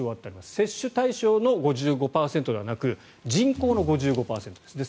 接種対象の５５％ではなく人口の５５％です。